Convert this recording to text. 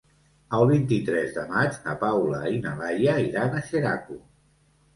El vint-i-tres de maig na Paula i na Laia iran a Xeraco.